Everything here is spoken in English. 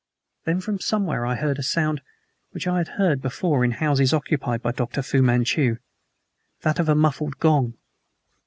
Then from somewhere I heard a sound which I had heard before in houses occupied by Dr. Fu Manchu that of a muffled gong.